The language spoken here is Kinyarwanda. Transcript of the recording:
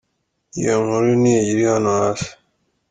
Iyo nkuru ni iyi iri hano hasi.